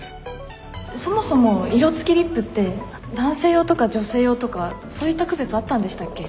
そもそも色つきリップって男性用とか女性用とかそういった区別あったんでしたっけ？